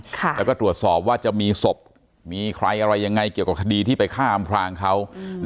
แล้วก็ตรวจสอบว่าจะมีศพมีใครอะไรยังไงเกี่ยวกับคดีที่ไปฆ่าอำพลางเขา